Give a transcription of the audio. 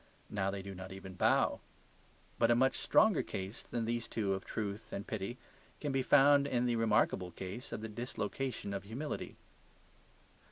Now they do not even bow. But a much stronger case than these two of truth and pity can be found in the remarkable case of the dislocation of humility.